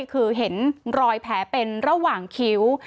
คือเห็นรอยแผลเป็นระหว่างคิ้ว